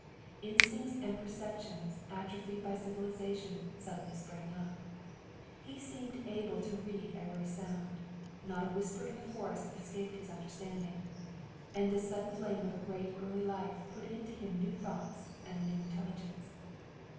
Instincts and perceptions, atrophied by civilization, suddenly sprang up. He seemed to be able to read every sound. Not a whisper in the forest escaped his understanding, and this sudden flame of a great early life put into him new thoughts and a new intelligence.